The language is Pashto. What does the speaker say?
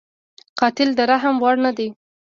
قاتل د رحم وړ نه دی